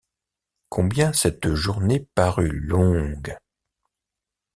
Combien cette journée parut longue!